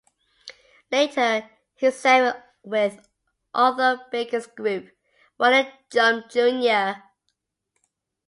Later he sang with Arthur Baker's group, Wally 'Jump' Junior.